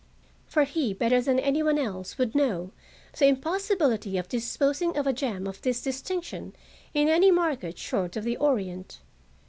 For he, better than any one else, would know the impossibility of disposing of a gem of this distinction in any market short of the Orient.